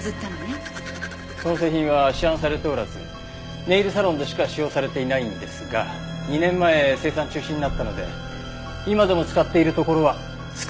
その製品は市販されておらずネイルサロンでしか使用されていないんですが２年前生産中止になったので今でも使っているところは少ないはずです。